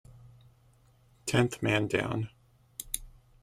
Tenth Man Down.